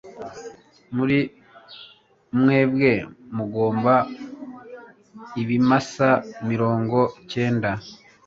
Muri mwebwe mugomba ibimasa mirongo icyenda